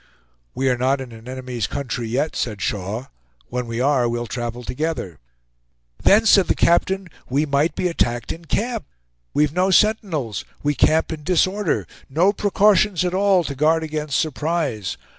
"We are not in an enemy's country, yet," said Shaw; "when we are, we'll travel together." "Then," said the captain, "we might be attacked in camp. We've no sentinels; we camp in disorder; no precautions at all to guard against surprise.